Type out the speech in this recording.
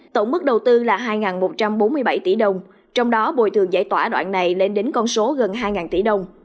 tổng mức đầu tư là hai một trăm bốn mươi bảy tỷ đồng trong đó bồi thường giải tỏa đoạn này lên đến con số gần hai tỷ đồng